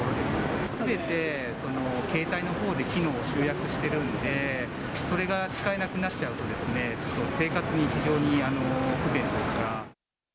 全て携帯のほうで情報を集約しているので使えなくなっちゃうと非常に不便というか。